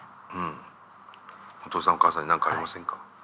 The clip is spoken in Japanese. お父さんお母さんに何かありませんか？